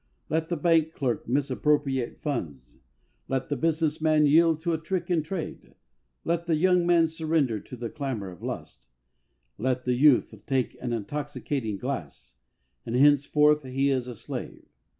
Let the bank clerk misappropriate funds, let the business man yield to a trick in trade, let the young man surrender to the clamour of lust, let the youth take an intoxicating glass, and henceforth he is a slave.